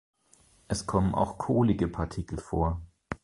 Es kommen auch kohlige Partikel vor.